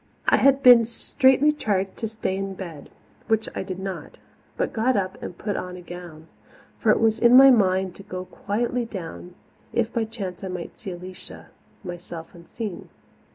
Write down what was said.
I had been straitly charged to stay in bed, which I did not, but got up and put on a gown. For it was in my mind to go quietly down, if by chance I might again see Alicia, myself unseen.